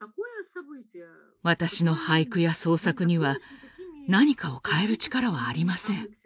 私の俳句や創作には何かを変える力はありません。